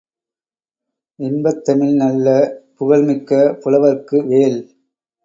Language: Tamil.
இன்பத்தமிழ் நல்ல புகழ்மிக்க புலவர்க்கு வேல்